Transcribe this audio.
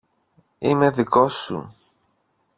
Είμαι δικός σου